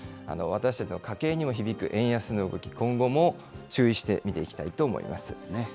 私たちの家計にも響く円安の動き、今後も注意して見ていきたいと思います。